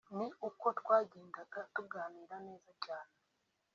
ni uko twagedaga tuganira neza cyane